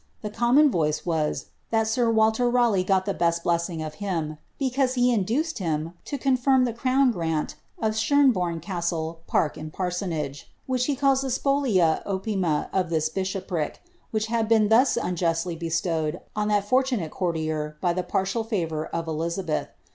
The common Toice was, that sir Walter Raleigh got the best blessing of him, because he induced him to confirm the crown grant of Sherborne castle, park, and parsonage,'* which he calls the spolia opima of this bishopric, which had been thus unjustly bestowed on that fortu nate courtisr by the partial fiiTour of Elizabeth.'